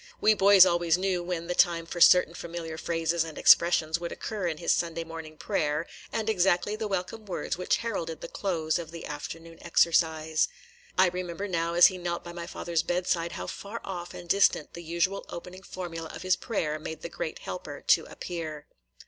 We boys always knew when the time for certain familiar phrases and expressions would occur in his Sunday morning prayer, and exactly the welcome words which heralded the close of the afternoon exercise. I remember now, as he knelt by my father's bedside, how far off and distant the usual opening formula of his prayer made the Great Helper to appear.